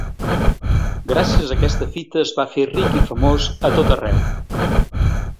Gràcies a aquesta fita es va fer ric i famós a tot arreu.